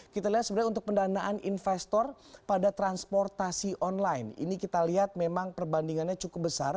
kita lihat sebenarnya untuk pendanaan investor pada transportasi online ini kita lihat memang perbandingannya cukup besar